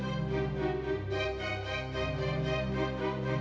ya aku pingin ngasih ke tong gorengan